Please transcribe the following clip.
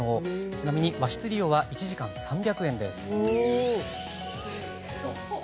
ちなみに和室利用は１時間３００円です。